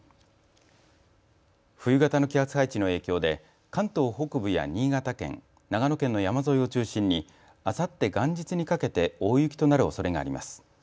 冬型の気圧配置の影響で関東北部や新潟県、長野県の山沿いを中心にあさって元日にかけて大雪となるおそれがあります。